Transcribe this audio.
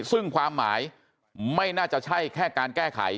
ซึ่งความหมายไม่น่าจะใช่แค่การแก้ไข